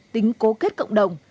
tính cố kết cộng đồng